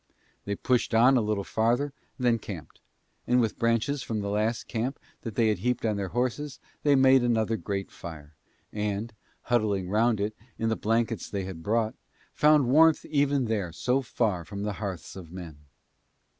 They pushed on a little farther and then camped; and with branches from the last camp that they had heaped on their horses they made another great fire and, huddling round it in the blankets that they had brought, found warmth even there so far from the hearths of men.